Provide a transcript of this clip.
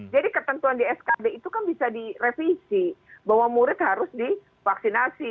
jadi ketentuan di skd itu kan bisa direvisi bahwa murid harus divaksinasi